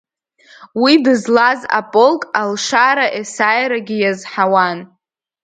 Уи дызлаз аполк алшара есааирагьы иазҳауан.